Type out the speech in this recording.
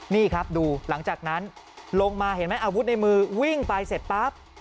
นี่ครับดูหลังจากนั้นลงมาเห็นไหมอาวุธในมือวิ่งไปเสร็จปั๊บ